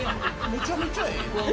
めちゃめちゃええやん。